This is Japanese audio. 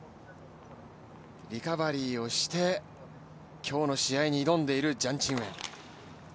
リカバリーをして今日の試合に挑んでいるジャン・チンウェン。